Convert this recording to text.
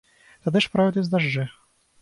Тады ж пройдуць дажджы.